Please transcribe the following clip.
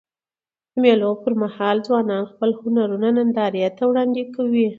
د مېلو پر مهال ځوانان خپل هنرونه نندارې ته وړاندي کوي.